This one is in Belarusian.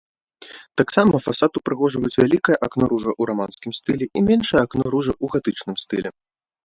Таксама фасад упрыгожваюць вялікае акно-ружа ў раманскім стылі і меншае акно-ружа ў гатычным стылі.